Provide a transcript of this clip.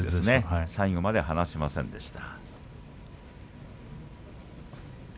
最後まで離しませんでした。